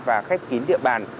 và khép kín địa bàn